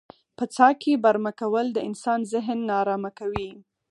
په څاه کې برمه کول د انسان ذهن نا ارامه کوي.